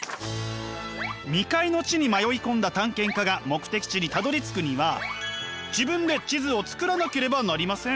未開の地に迷い込んだ探検家が目的地にたどりつくには自分で地図を作らなければなりません。